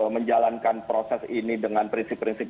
menjalankan proses ini dengan prinsip prinsip